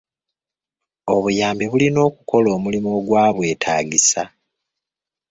Obuyambi bulina okukola omulimu ogwabwetaagisa.